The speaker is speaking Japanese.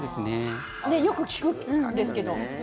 よく聞くんですけど。